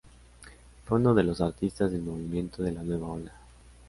Fue uno de los artistas del movimiento de la Nueva ola.